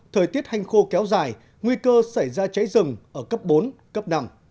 thời tiết hành khô kéo dài nguy cơ xảy ra cháy rừng ở cấp bốn cấp năm